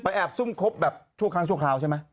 แอบซุ่มครบแบบชั่วครั้งชั่วคราวใช่ไหม